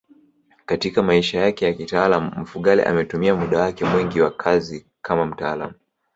Katika maisha yake ya kitaaluma Mfugale ametumia muda wake mwingi wa kazi kama mtaalamu